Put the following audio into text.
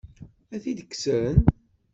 Ad t-id-kksen?